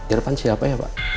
irvan siapa ya pak